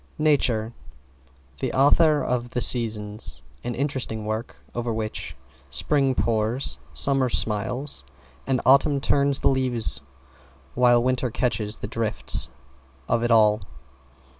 =NATURE= The author of "The Seasons," an interesting work over which Spring pours, Summer smiles, and Autumn turns the leaves while Winter catches the drift of it all.